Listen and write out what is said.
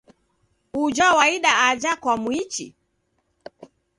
Uja waida aja kwamuichi?